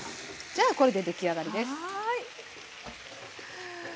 じゃあこれで出来上がりです。